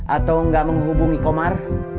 atau gak menghubungi komar